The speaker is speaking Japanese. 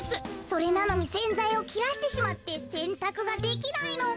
それなのにせんざいをきらしてしまってせんたくができないの。